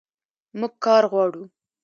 موږ کار غواړو